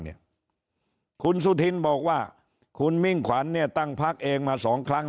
เนี่ยคุณสุธินบอกว่าคุณมิ่งขวัญเนี่ยตั้งพักเองมาสองครั้ง